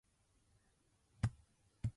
厚着をする